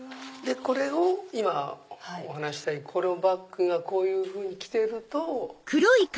これを今お話ししたようにバックがこういうふうにきてると。